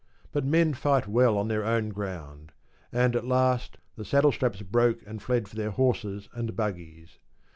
But men fight well on their own ground, and at last the Saddlestraps broke and fled for their horses and buggies.